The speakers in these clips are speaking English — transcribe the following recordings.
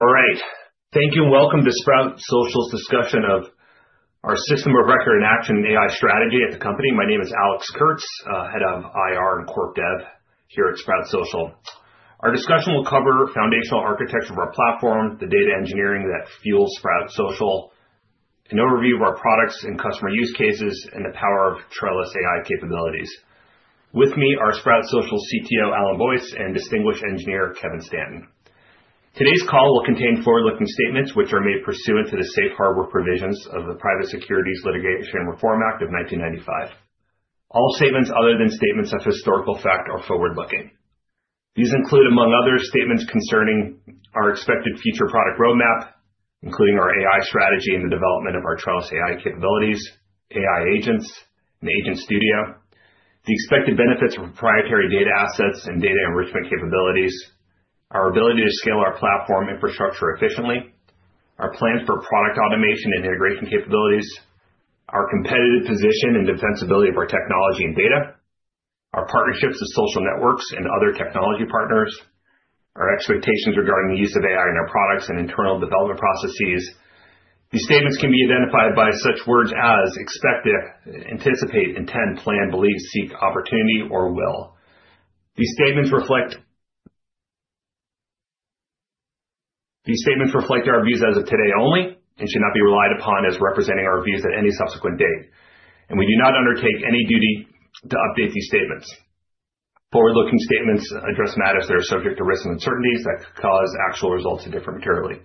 All right. Thank you, and welcome to Sprout Social's discussion of our system of record and action AI strategy at the company. My name is Alex Kurtz, Head of IR and Corp Dev here at Sprout Social. Our discussion will cover foundational architecture of our platform, the data engineering that fuels Sprout Social, an overview of our products and customer use cases, and the power of Trellis AI capabilities. With me are Sprout Social CTO, Alan Boyce, and Distinguished Engineer, Kevin Stanton. Today's call will contain forward-looking statements which are made pursuant to the safe harbor provisions of the Private Securities Litigation Reform Act of 1995. All statements other than statements of historical fact are forward-looking. These include, among others, statements concerning our expected future product roadmap, including our AI strategy and the development of our Trellis AI capabilities, AI agents, and Agent Studio, the expected benefits of proprietary data assets and data enrichment capabilities, our ability to scale our platform infrastructure efficiently, our plans for product automation and integration capabilities, our competitive position and defensibility of our technology and data, our partnerships with social networks and other technology partners, our expectations regarding the use of AI in our products and internal development processes. These statements can be identified by such words as expect, anticipate, intend, plan, believe, seek, opportunity, or will. These statements reflect our views as of today only and should not be relied upon as representing our views at any subsequent date, and we do not undertake any duty to update these statements. Forward-looking statements address matters that are subject to risks and uncertainties that could cause actual results to differ materially.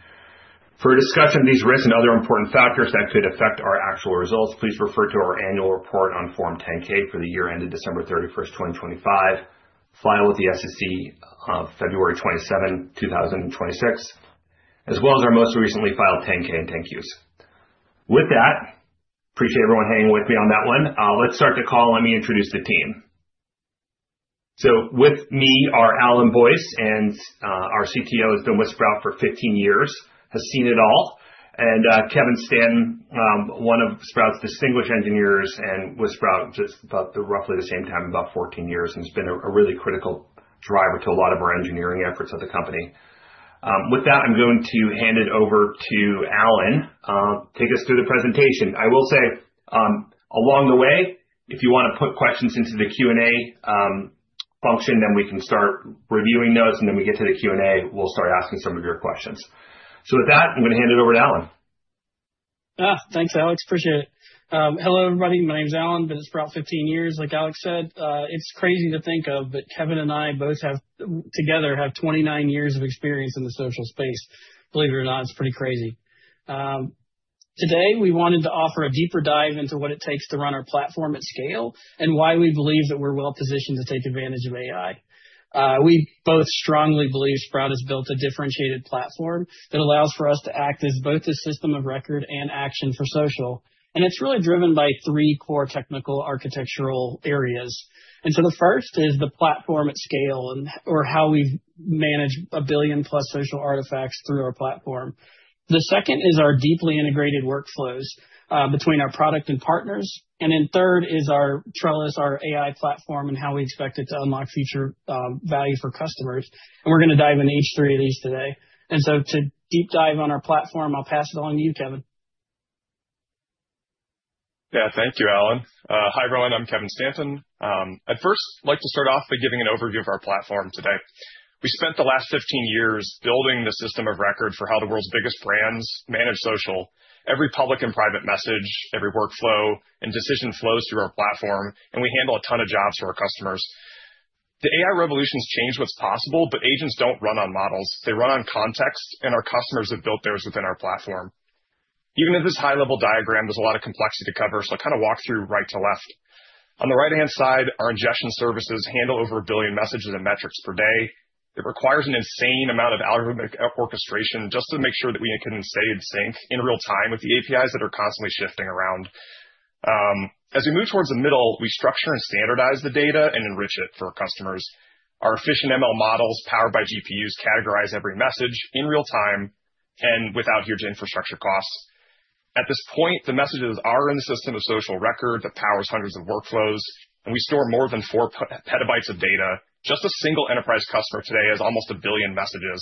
For a discussion of these risks and other important factors that could affect our actual results, please refer to our annual report on Form 10-K for the year ended December 31ST, 2025, filed with the SEC on February 27, 2026, as well as our most recently filed 10-K and 10-Qs. With that, appreciate everyone hanging with me on that one. Let's start the call. Let me introduce the team. With me are Alan Boyce and our CTO has been with Sprout for 15 years. Has seen it all. Kevin Stanton, one of Sprout's distinguished engineers and with Sprout just about the same time, about 14 years, and has been a really critical driver to a lot of our engineering efforts of the company. With that, I'm going to hand it over to Alan Boyce. Take us through the presentation. I will say, along the way, if you wanna put questions into the Q&A function, then we can start reviewing those, and then we get to the Q&A, we'll start asking some of your questions. With that, I'm gonna hand it over to Alan Boyce. Thanks, Alex. Appreciate it. Hello, everybody. My name is Alan. Been at Sprout 15 years, like Alex said. It's crazy to think of, but Kevin and I both together have 29 years of experience in the social space. Believe it or not, it's pretty crazy. Today we wanted to offer a deeper dive into what it takes to run our platform at scale and why we believe that we're well positioned to take advantage of AI. We both strongly believe Sprout has built a differentiated platform that allows for us to act as both a system of record and action for social, and it's really driven by three core technical architectural areas. The first is the platform at scale or how we manage a billion-plus social artifacts through our platform. The second is our deeply integrated workflows between our product and partners. Then third is our Trellis, our AI platform, and how we expect it to unlock future value for customers. We're gonna dive into each three of these today. To deep dive on our platform, I'll pass it along to you, Kevin. Yeah. Thank you, Alan. Hi, everyone. I'm Kevin Stanton. I'd first like to start off by giving an overview of our platform today. We spent the last 15 years building the system of record for how the world's biggest brands manage social. Every public and private message, every workflow and decision flows through our platform, and we handle a ton of jobs for our customers. The AI revolution's changed what's possible, but agents don't run on models. They run on context, and our customers have built theirs within our platform. Even at this high level diagram, there's a lot of complexity to cover, so I'll kind of walk through right to left. On the right-hand side, our ingestion services handle over a billion messages and metrics per day. It requires an insane amount of algorithmic orchestration just to make sure that we can stay in sync in real time with the APIs that are constantly shifting around. As we move towards the middle, we structure and standardize the data and enrich it for our customers. Our efficient ML models, powered by GPUs, categorize every message in real time and without huge infrastructure costs. At this point, the messages are in the system of social record that powers hundreds of workflows, and we store more than four PB of data. Just a single enterprise customer today has almost 1 billion messages.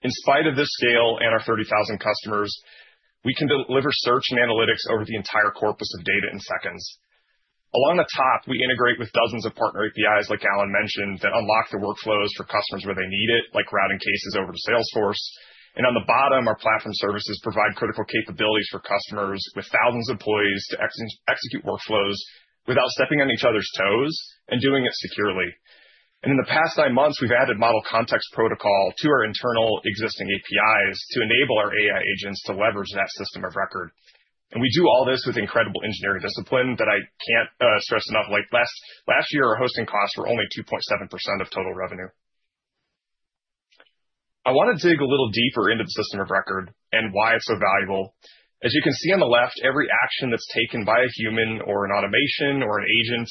In spite of this scale and our 30,000 customers, we can deliver search and analytics over the entire corpus of data in seconds. Along the top, we integrate with dozens of partner APIs, like Alan mentioned, that unlock the workflows for customers where they need it, like routing cases over to Salesforce. On the bottom, our platform services provide critical capabilities for customers with thousands of employees to execute workflows without stepping on each other's toes and doing it securely. In the past nine months, we've added Model Context Protocol to our internal existing APIs to enable our AI agents to leverage that system of record. We do all this with incredible engineering discipline that I can't stress enough. Like last year, our hosting costs were only 2.7% of total revenue. I want to dig a little deeper into the system of record and why it's so valuable. As you can see on the left, every action that's taken by a human or an automation or an agent,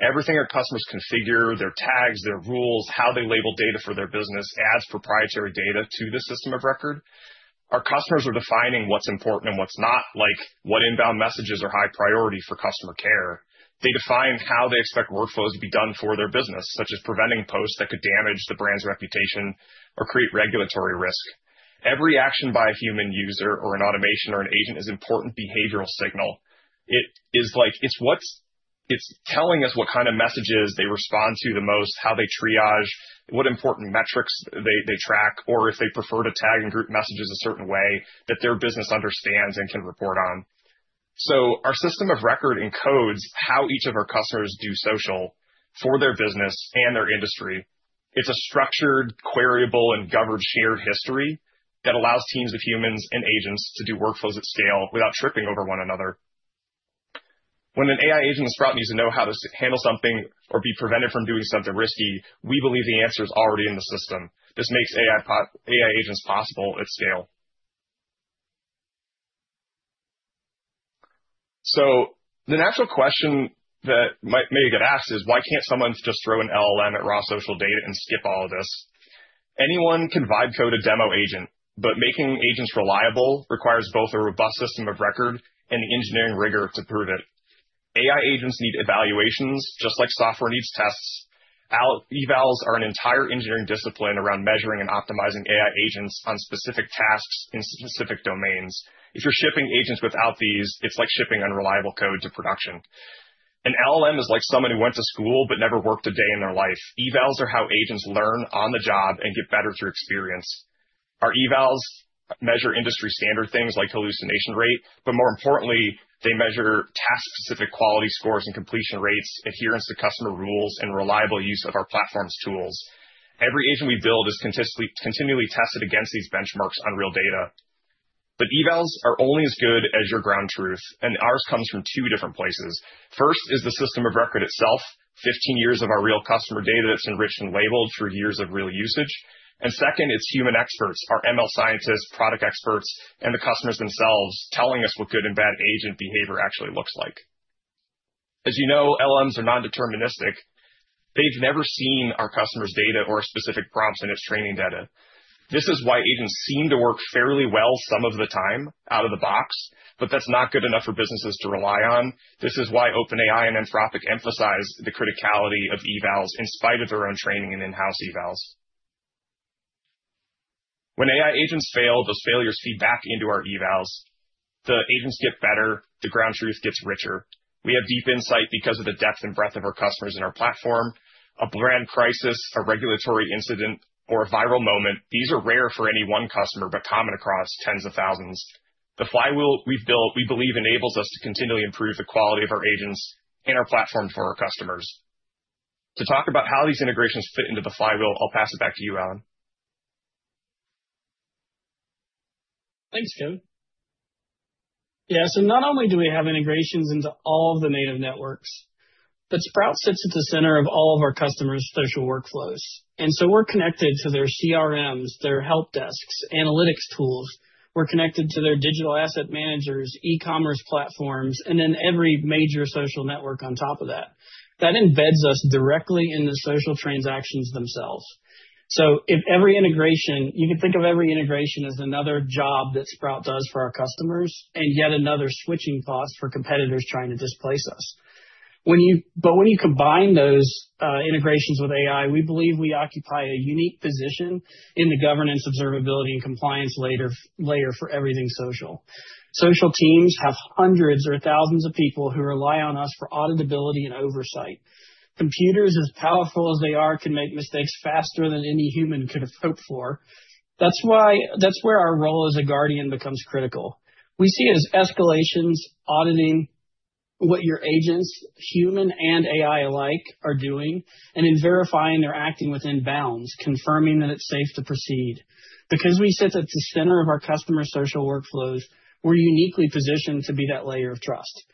everything our customers configure, their tags, their rules, how they label data for their business, adds proprietary data to the system of record. Our customers are defining what's important and what's not, like what inbound messages are high priority for customer care. They define how they expect workflows to be done for their business, such as preventing posts that could damage the brand's reputation or create regulatory risk. Every action by a human user or an automation or an agent is important behavioral signal. It is like it's telling us what kind of messages they respond to the most, how they triage, what important metrics they track, or if they prefer to tag and group messages a certain way that their business understands and can report on. Our system of record encodes how each of our customers do social for their business and their industry. It's a structured, queryable, and governed shared history that allows teams of humans and agents to do workflows at scale without tripping over one another. When an AI agent in Sprout needs to know how to handle something or be prevented from doing something risky, we believe the answer is already in the system. This makes AI agents possible at scale. The natural question that might get asked is, why can't someone just throw an LLM at raw social data and skip all of this? Anyone can write code a demo agent, but making agents reliable requires both a robust system of record and the engineering rigor to prove it. AI agents need evaluations just like software needs tests. Evals are an entire engineering discipline around measuring and optimizing AI agents on specific tasks in specific domains. If you're shipping agents without these, it's like shipping unreliable code to production. An LLM is like someone who went to school but never worked a day in their life. Evals are how agents learn on the job and get better through experience. Our evals measure industry standard things like hallucination rate, but more importantly, they measure task-specific quality scores and completion rates, adherence to customer rules, and reliable use of our platform's tools. Every agent we build is continually tested against these benchmarks on real data. Evals are only as good as your ground truth, and ours comes from two different places. First is the system of record itself, 15 years of our real customer data that's enriched and labeled through years of real usage. Second, it's human experts, our ML scientists, product experts, and the customers themselves telling us what good and bad agent behavior actually looks like. As you know, LLMs are non-deterministic. They've never seen our customer's data or specific prompts in its training data. This is why agents seem to work fairly well some of the time out of the box, but that's not good enough for businesses to rely on. This is why OpenAI and Anthropic emphasize the criticality of evals in spite of their own training and in-house evals. When AI agents fail, those failures feed back into our evals. The agents get better, the ground truth gets richer. We have deep insight because of the depth and breadth of our customers in our platform. A brand crisis, a regulatory incident, or a viral moment, these are rare for any one customer, but common across tens of thousands. The flywheel we've built, we believe, enables us to continually improve the quality of our agents and our platform for our customers. To talk about how these integrations fit into the flywheel, I'll pass it back to you, Alan. Thanks, Kevin. Yeah. Not only do we have integrations into all of the native networks, but Sprout sits at the center of all of our customers' social workflows. We're connected to their CRMs, their help desks, analytics tools. We're connected to their digital asset managers, e-commerce platforms, and then every major social network on top of that. That embeds us directly in the social transactions themselves. You can think of every integration as another job that Sprout does for our customers, and yet another switching cost for competitors trying to displace us. When you combine those integrations with AI, we believe we occupy a unique position in the governance, observability, and compliance layer for everything social. Social teams have hundreds or thousands of people who rely on us for auditability and oversight. Computers, as powerful as they are, can make mistakes faster than any human could have hoped for. That's where our role as a guardian becomes critical. We see it as escalations, auditing what our agents, human and AI alike, are doing, and in verifying they're acting within bounds, confirming that it's safe to proceed. Because we sit at the center of our customer social workflows, we're uniquely positioned to be that layer of trust.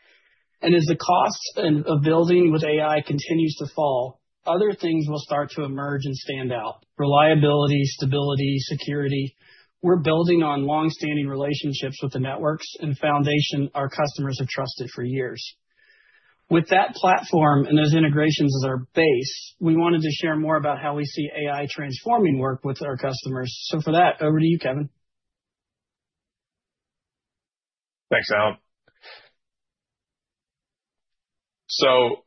As the cost of building with AI continues to fall, other things will start to emerge and stand out. Reliability, stability, security. We're building on long-standing relationships with the networks and foundation our customers have trusted for years. With that platform and those integrations as our base, we wanted to share more about how we see AI transforming work with our customers. For that, over to you, Kevin Stanton. Thanks, Alan.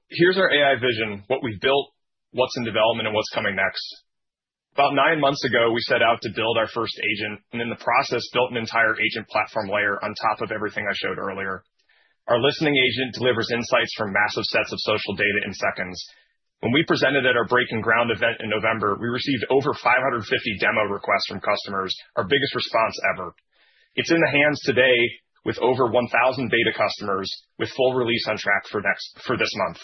Here's our AI vision, what we've built, what's in development, and what's coming next. About nine months ago, we set out to build our first agent, and in the process, built an entire agent platform layer on top of everything I showed earlier. Our listening agent delivers insights from massive sets of social data in seconds. When we presented at our breaking ground event in November, we received over 550 demo requests from customers, our biggest response ever. It's in the hands today with over 1,000 beta customers, with full release on track for this month.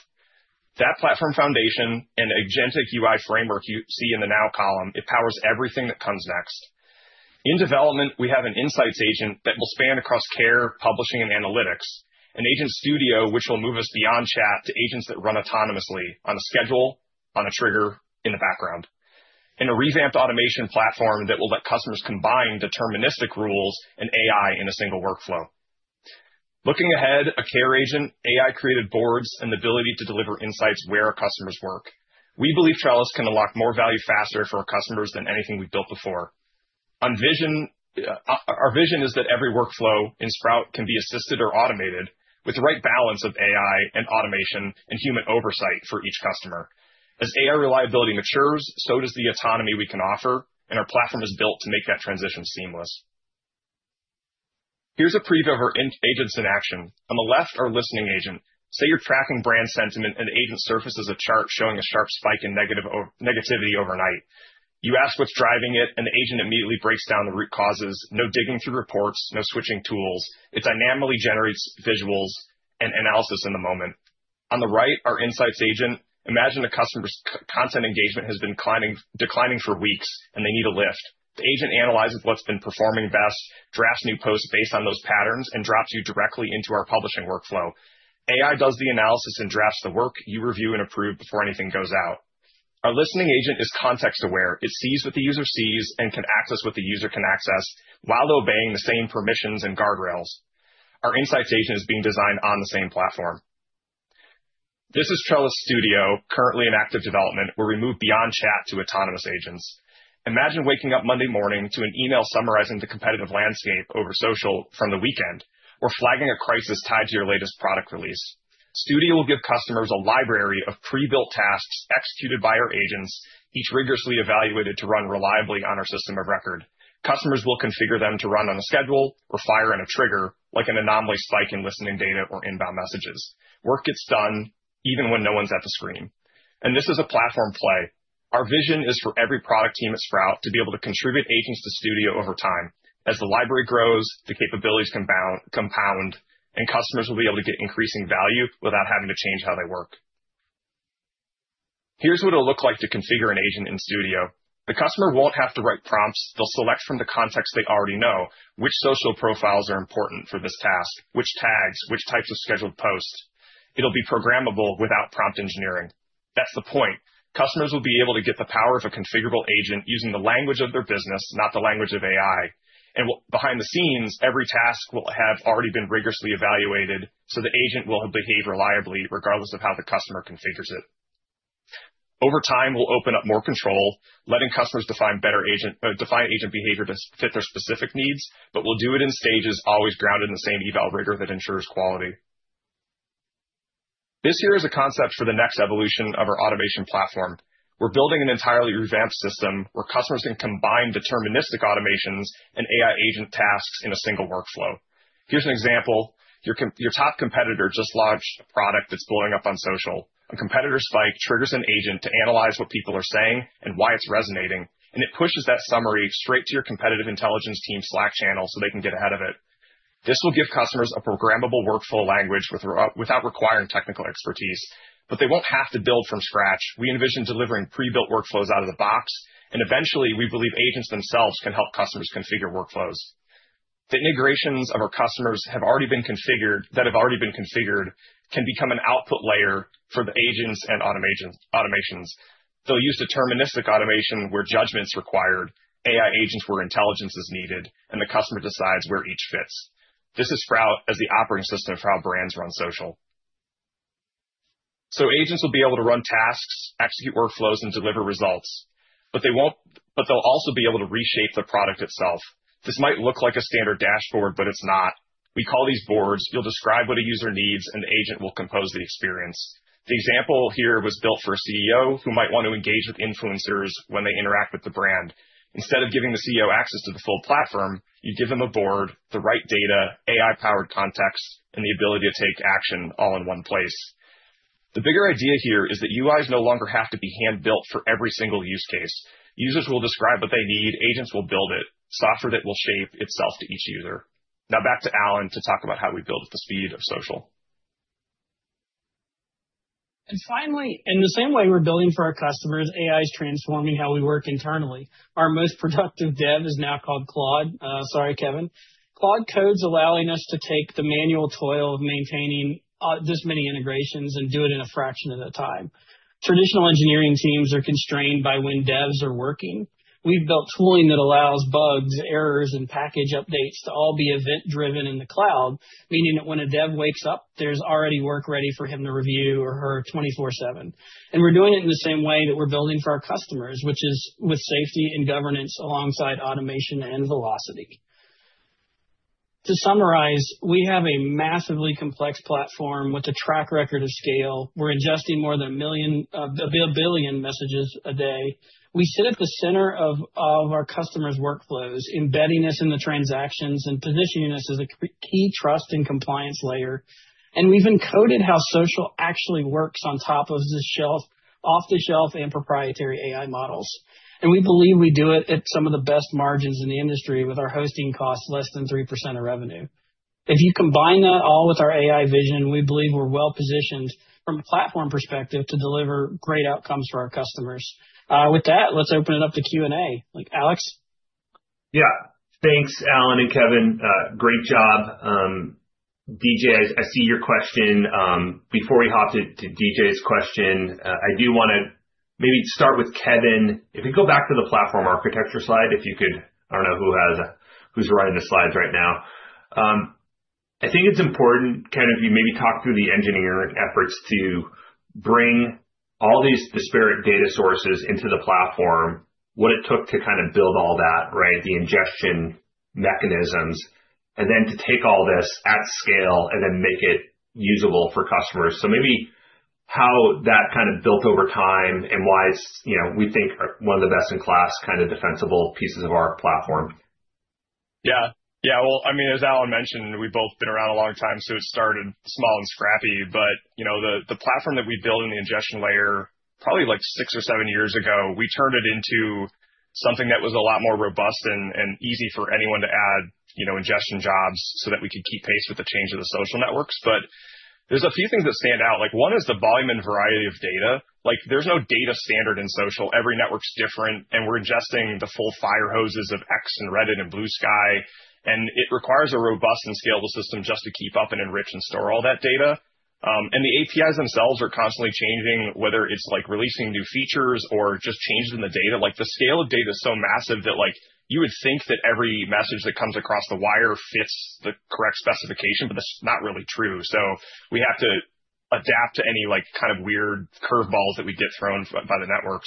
That platform foundation and agentic UI framework you see in the now column, it powers everything that comes next. In development, we have an insights agent that will span across care, publishing, and analytics. An Agent Studio which will move us beyond chat to agents that run autonomously on a schedule, on a trigger, in the background. In a revamped automation platform that will let customers combine deterministic rules and AI in a single workflow. Looking ahead, a care agent, AI-created boards, and the ability to deliver insights where our customers work. We believe Trellis can unlock more value faster for our customers than anything we've built before. Our vision is that every workflow in Sprout can be assisted or automated with the right balance of AI and automation and human oversight for each customer. As AI reliability matures, so does the autonomy we can offer, and our platform is built to make that transition seamless. Here's a preview of our agents in action. On the left, our listening agent. Say you're tracking brand sentiment, and the agent surfaces a chart showing a sharp spike in negativity overnight. You ask what's driving it, and the agent immediately breaks down the root causes. No digging through reports, no switching tools. It dynamically generates visuals and analysis in the moment. On the right, our insights agent. Imagine a customer's content engagement has been declining for weeks, and they need a lift. The agent analyzes what's been performing best, drafts new posts based on those patterns, and drops you directly into our publishing workflow. AI does the analysis and drafts the work, you review and approve before anything goes out. Our listening agent is context aware. It sees what the user sees and can access what the user can access while obeying the same permissions and guardrails. Our insights agent is being designed on the same platform. This is Trellis Studio, currently in active development, where we move beyond chat to autonomous agents. Imagine waking up Monday morning to an email summarizing the competitive landscape over social from the weekend or flagging a crisis tied to your latest product release. Studio will give customers a library of pre-built tasks executed by our agents, each rigorously evaluated to run reliably on our system of record. Customers will configure them to run on a schedule or fire on a trigger, like an anomaly spike in listening data or inbound messages. Work gets done even when no one's at the screen. This is a platform play. Our vision is for every product team at Sprout to be able to contribute agents to Studio over time. As the library grows, the capabilities compound, and customers will be able to get increasing value without having to change how they work. Here's what it'll look like to configure an agent in Studio. The customer won't have to write prompts. They'll select from the context they already know which social profiles are important for this task, which tags, which types of scheduled posts. It'll be programmable without prompt engineering. That's the point. Customers will be able to get the power of a configurable agent using the language of their business, not the language of AI. Behind the scenes, every task will have already been rigorously evaluated, so the agent will behave reliably regardless of how the customer configures it. Over time, we'll open up more control, letting customers define agent behavior to fit their specific needs, but we'll do it in stages, always grounded in the same evaluator that ensures quality. This here is a concept for the next evolution of our automation platform. We're building an entirely revamped system where customers can combine deterministic automations and AI agent tasks in a single workflow. Here's an example. Your top competitor just launched a product that's blowing up on social. A competitor spike triggers an agent to analyze what people are saying and why it's resonating, and it pushes that summary straight to your competitive intelligence team Slack channel so they can get ahead of it. This will give customers a programmable workflow language without requiring technical expertise, but they won't have to build from scratch. We envision delivering pre-built workflows out of the box, and eventually, we believe agents themselves can help customers configure workflows. The integrations of our customers that have already been configured can become an output layer for the agents and automations. They'll use deterministic automation where judgment's required, AI agents where intelligence is needed, and the customer decides where each fits. This is Sprout as the operating system for how brands run social. Agents will be able to run tasks, execute workflows, and deliver results, but they'll also be able to reshape the product itself. This might look like a standard dashboard, but it's not. We call these boards. You'll describe what a user needs, and the agent will compose the experience. The example here was built for a CEO who might want to engage with influencers when they interact with the brand. Instead of giving the CEO access to the full platform, you give them a board, the right data, AI-powered context, and the ability to take action all in one place. The bigger idea here is that UIs no longer have to be hand-built for every single use case. Users will describe what they need, agents will build it, software that will shape itself to each user. Now back to Alan to talk about how we build at the speed of social. Finally, in the same way we're building for our customers, AI is transforming how we work internally. Our most productive dev is now called Claude. uncertain allowing us to take the manual toil of maintaining this many integrations and do it in a fraction of the time. Traditional engineering teams are constrained by when devs are working. We've built tooling that allows bugs, errors, and package updates to all be event-driven in the cloud, meaning that when a dev wakes up, there's already work ready for him to review or her 24/7. We're doing it in the same way that we're building for our customers, which is with safety and governance alongside automation and velocity. To summarize, we have a massively complex platform with a track record of scale. We're ingesting more than 1 billion messages a day. We sit at the center of our customers' workflows, embedding us in the transactions and positioning us as a key trust and compliance layer. We've encoded how social actually works on top of off-the-shelf and proprietary AI models. We believe we do it at some of the best margins in the industry with our hosting costs less than 3% of revenue. If you combine that all with our AI vision, we believe we're well positioned from a platform perspective to deliver great outcomes for our customers. With that, let's open it up to Q&A. Alex? Yeah. Thanks, Alan and Kevin. Great job. DJ, I see your question. Before we hop to DJ's question, I do wanna Maybe start with Kevin. If we go back to the platform architecture slide, if you could. I don't know who's running the slides right now. I think it's important, Kevin, you maybe talk through the engineering efforts to bring all these disparate data sources into the platform, what it took to kind of build all that, right? The ingestion mechanisms, and then to take all this at scale and then make it usable for customers. Maybe how that kind of built over time and why it's, you know, we think one of the best in class kind of defensible pieces of our platform. Yeah. Yeah. Well, I mean, as Alan mentioned, we've both been around a long time, so it started small and scrappy. You know, the platform that we built in the ingestion layer, probably like six or seven years ago, we turned it into something that was a lot more robust and easy for anyone to add, you know, ingestion jobs so that we could keep pace with the change of the social networks. There's a few things that stand out. Like, one is the volume and variety of data. Like, there's no data standard in social. Every network's different, and we're ingesting the full fire hoses of X, Reddit, and Bluesky, and it requires a robust and scalable system just to keep up and enrich and store all that data. The APIs themselves are constantly changing, whether it's like releasing new features or just changes in the data. Like, the scale of data is so massive that, like, you would think that every message that comes across the wire fits the correct specification, but that's not really true. We have to adapt to any, like, kind of weird curveballs that we get thrown by the networks.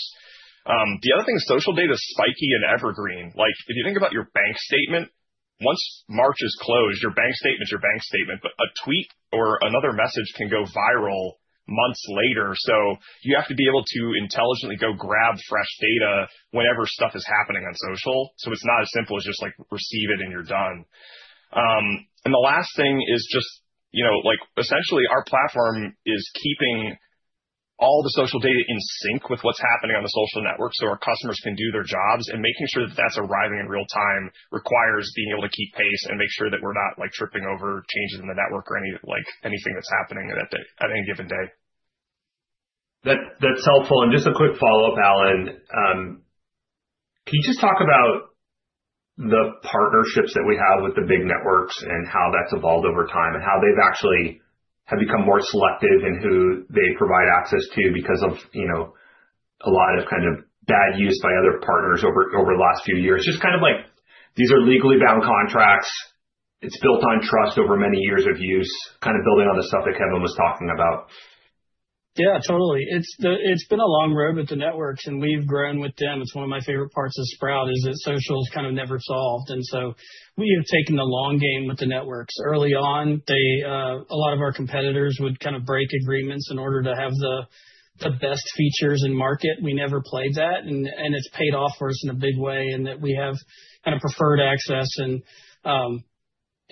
The other thing is social data is spiky and evergreen. Like, if you think about your bank statement, once March is closed, your bank statement is your bank statement, but a tweet or another message can go viral months later. You have to be able to intelligently go grab fresh data whenever stuff is happening on social. It's not as simple as just, like, receive it and you're done. The last thing is just, you know, like, essentially our platform is keeping all the social data in sync with what's happening on the social network, so our customers can do their jobs, and making sure that that's arriving in real time requires being able to keep pace and make sure that we're not, like, tripping over changes in the network or any, like, anything that's happening at any given day. That's helpful. Just a quick follow-up, Alan. Can you just talk about the partnerships that we have with the big networks and how that's evolved over time and how they've actually have become more selective in who they provide access to because of, you know, a lot of kind of bad use by other partners over the last few years? Just kind of like, these are legally bound contracts. It's built on trust over many years of use, kind of building on the stuff that Kevin was talking about. Yeah, totally. It's been a long road with the networks, and we've grown with them. It's one of my favorite parts of Sprout is that social is kind of never solved. We have taken the long game with the networks. Early on, they, a lot of our competitors would kind of break agreements in order to have the best features in market. We never played that and it's paid off for us in a big way in that we have kind of preferred access and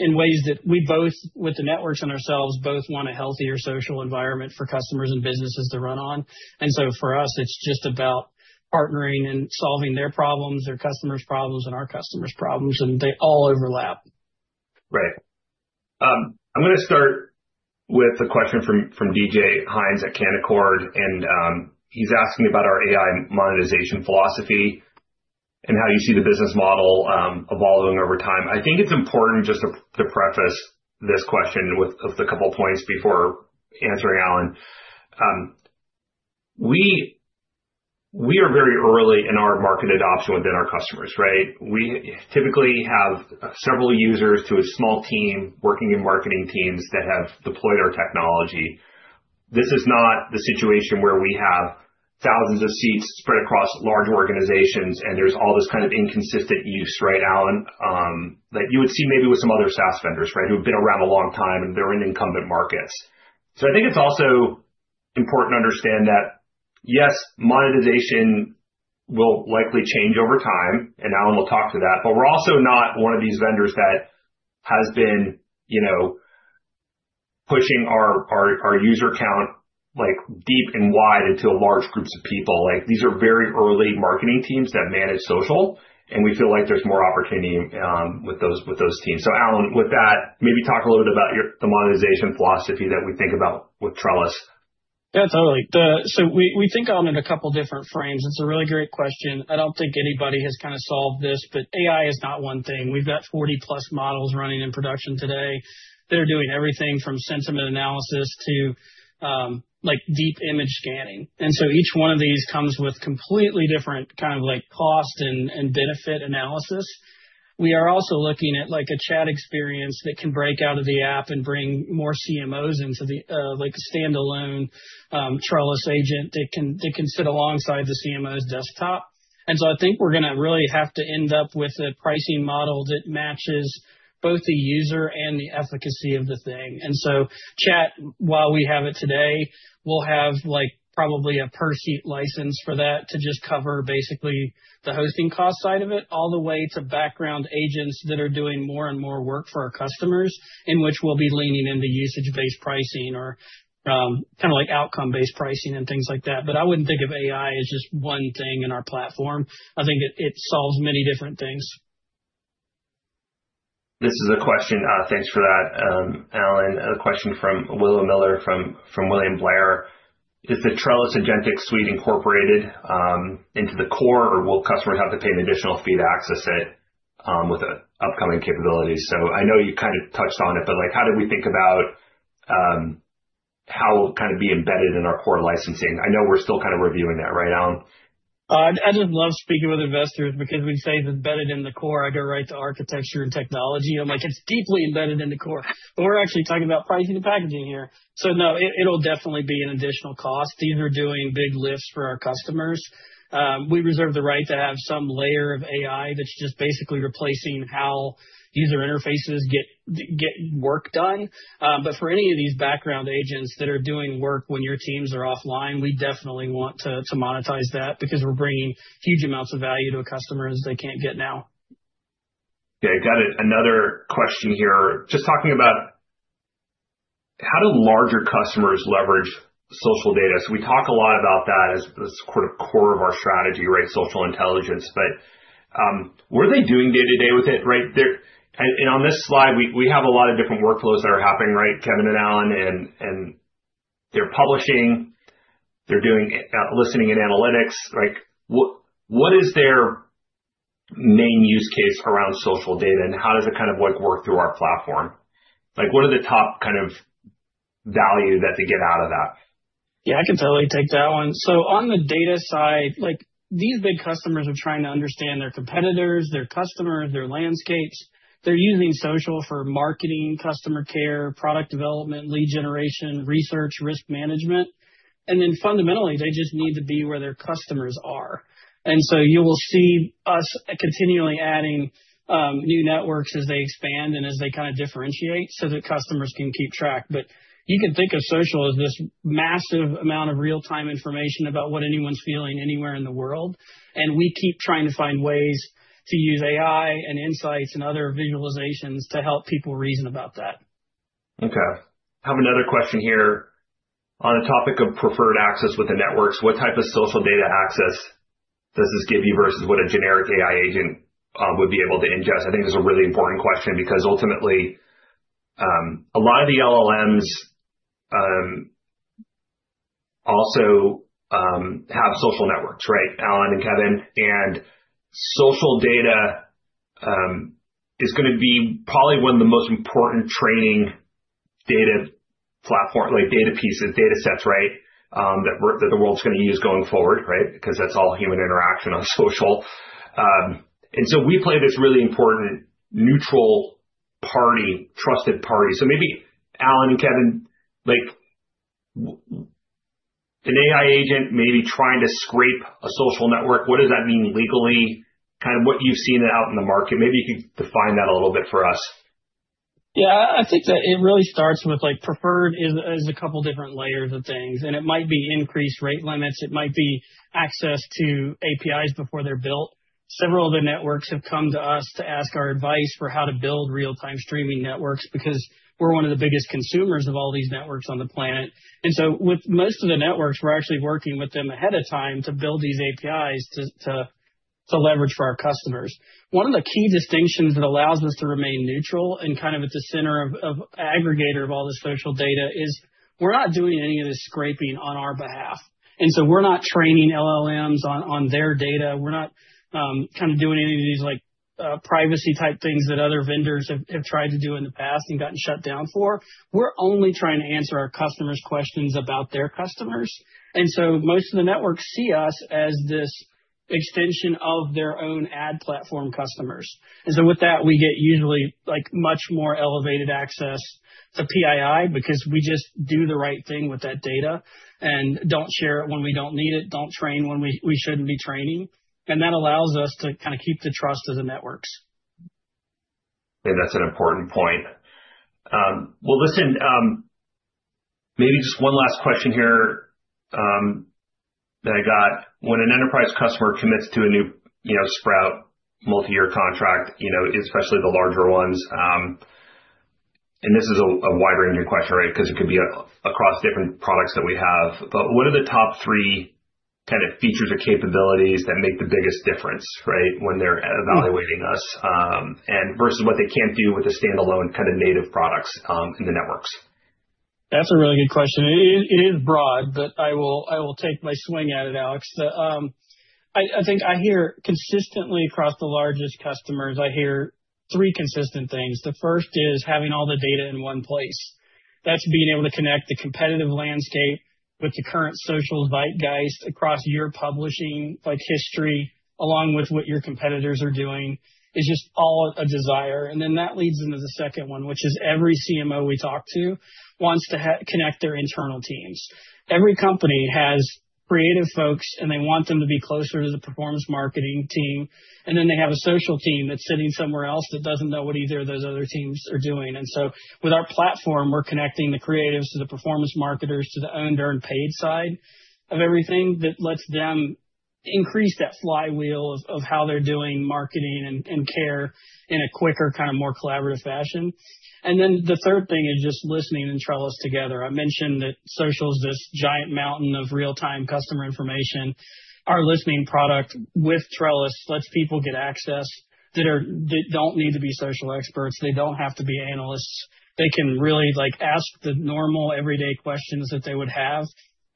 in ways that we both, with the networks and ourselves, both want a healthier social environment for customers and businesses to run on. For us, it's just about partnering and solving their problems, their customers' problems and our customers' problems, and they all overlap. Right. I'm gonna start with a question from DJ Hynes at Canaccord Genuity, and he's asking about our AI monetization philosophy and how you see the business model evolving over time. I think it's important just to preface this question with a couple points before answering Alan. We are very early in our market adoption within our customers, right? We typically have several users to a small team working in marketing teams that have deployed our technology. This is not the situation where we have thousands of seats spread across large organizations and there's all this kind of inconsistent use right, Alan, that you would see maybe with some other SaaS vendors, right? Who've been around a long time and they're in incumbent markets. I think it's also important to understand that, yes, monetization will likely change over time, and Alan will talk to that, but we're also not one of these vendors that has been, you know, pushing our user count like deep and wide into large groups of people. Like, these are very early marketing teams that manage social, and we feel like there's more opportunity with those teams. Alan, with that, maybe talk a little bit about the monetization philosophy that we think about with Trellis. Yeah, totally. We think on it in a couple different frames. It's a really great question. I don't think anybody has kind of solved this, but AI is not one thing. We've got 40+ models running in production today that are doing everything from sentiment analysis to like deep image scanning. Each one of these comes with completely different kind of like cost and benefit analysis. We are also looking at like a chat experience that can break out of the app and bring more CMOs into the like a standalone Trellis agent that can sit alongside the CMO's desktop. I think we're gonna really have to end up with a pricing model that matches both the user and the efficacy of the thing. Chat, while we have it today, we'll have like probably a per seat license for that to just cover basically the hosting cost side of it all the way to background agents that are doing more and more work for our customers, in which we'll be leaning into usage-based pricing or, kinda like outcome-based pricing and things like that. I wouldn't think of AI as just one thing in our platform. I think it solves many different things. This is a question. Thanks for that, Alan. A question from Arjun Bhatia from William Blair. Is the Trellis Agentic Suite incorporated into the core, or will customers have to pay an additional fee to access it? With the upcoming capabilities. I know you kind of touched on it, but, like, how do we think about how we'll kind of be embedded in our core licensing? I know we're still kind of reviewing that right now. I just love speaking with investors because we say it's embedded in the core. I go right to architecture and technology. I'm like, it's deeply embedded in the core, but we're actually talking about pricing and packaging here. No, it'll definitely be an additional cost. These are doing big lifts for our customers. We reserve the right to have some layer of AI that's just basically replacing how user interfaces get work done. For any of these background agents that are doing work when your teams are offline, we definitely want to monetize that because we're bringing huge amounts of value to a customer as they can't get now. Yeah. Got it. Another question here. Just talking about how do larger customers leverage social data? We talk a lot about that as the sort of core of our strategy, right? Social intelligence. What are they doing day-to-day with it? Right? On this slide, we have a lot of different workflows that are happening, right, Kevin and Alan, and they're publishing, they're doing listening and analytics. Like, what is their main use case around social data, and how does it kind of work through our platform? Like, what are the top kind of value that they get out of that? Yeah, I can totally take that one. On the data side, like, these big customers are trying to understand their competitors, their customers, their landscapes. They're using social for marketing, customer care, product development, lead generation, research, risk management. Fundamentally, they just need to be where their customers are. You will see us continually adding new networks as they expand and as they kinda differentiate so that customers can keep track. But you can think of social as this massive amount of real-time information about what anyone's feeling anywhere in the world, and we keep trying to find ways to use AI and insights and other visualizations to help people reason about that. Okay. Have another question here. On the topic of preferred access with the networks, what type of social data access does this give you versus what a generic AI agent would be able to ingest? I think this is a really important question because ultimately, a lot of the LLMs also have social networks, right, Alan and Kevin? Social data is gonna be probably one of the most important training data like data pieces, data sets, right, that the world's gonna use going forward, right? Because that's all human interaction on social. We play this really important neutral party, trusted party. Maybe Alan and Kevin, like, an AI agent maybe trying to scrape a social network, what does that mean legally? Kind of what you've seen out in the market. Maybe you could define that a little bit for us. Yeah. I'd say it really starts with like preferred is a couple different layers of things, and it might be increased rate limits, it might be access to APIs before they're built. Several of the networks have come to us to ask our advice for how to build real-time streaming networks because we're one of the biggest consumers of all these networks on the planet. With most of the networks, we're actually working with them ahead of time to build these APIs to leverage for our customers. One of the key distinctions that allows us to remain neutral and kind of at the center of aggregator of all this social data is we're not doing any of the scraping on our behalf, and so we're not training LLMs on their data. We're not kind of doing any of these like privacy type things that other vendors have tried to do in the past and gotten shut down for. We're only trying to answer our customers' questions about their customers. Most of the networks see us as this extension of their own ad platform customers. With that, we get usually like much more elevated access to PII because we just do the right thing with that data and don't share it when we don't need it, don't train when we shouldn't be training. That allows us to kind of keep the trust of the networks. Yeah, that's an important point. Well, listen, maybe just one last question here, that I got. When an enterprise customer commits to a new, you know, Sprout multi-year contract, you know, especially the larger ones, and this is a wide-ranging question, right? 'Cause it could be across different products that we have. What are the top three kind of features or capabilities that make the biggest difference, right? When they're evaluating us, and versus what they can't do with the standalone kind of native products, in the networks? That's a really good question. It is broad, but I will take my swing at it, Alex. I think I hear consistently across the largest customers, I hear three consistent things. The first is having all the data in one place. That's being able to connect the competitive landscape with the current social zeitgeist across your publishing, like, history, along with what your competitors are doing, is just all a desire. That leads into the second one, which is every CMO we talk to wants to connect their internal teams. Every company has creative folks, and they want them to be closer to the performance marketing team, and then they have a social team that's sitting somewhere else that doesn't know what either of those other teams are doing. With our platform, we're connecting the creatives to the performance marketers to the earned, owned, and paid side of everything that lets them increase that flywheel of how they're doing marketing and care in a quicker, kind of more collaborative fashion. Then the third thing is just listening and Trellis together. I mentioned that social is this giant mountain of real-time customer information. Our listening product with Trellis lets people get access they don't need to be social experts, they don't have to be analysts. They can really, like, ask the normal everyday questions that they would have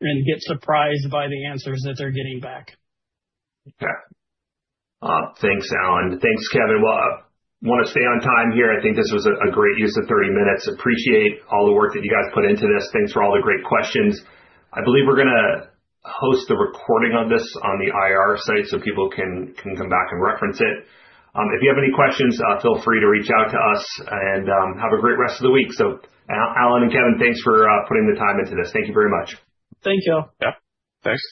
and get surprised by the answers that they're getting back. Okay. Thanks, Alan. Thanks, Kevin. Well, wanna stay on time here. I think this was a great use of 30 minutes. Appreciate all the work that you guys put into this. Thanks for all the great questions. I believe we're gonna host the recording of this on the IR site so people can come back and reference it. If you have any questions, feel free to reach out to us and have a great rest of the week. Alan and Kevin, thanks for putting the time into this. Thank you very much. Thank you. Yeah. Thanks.